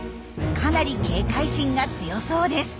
かなり警戒心が強そうです。